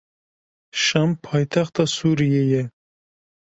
Şam paytexta Sûriyê ye.